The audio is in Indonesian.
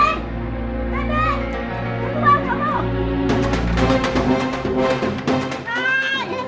di mana kamu dek